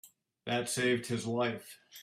That saved his life.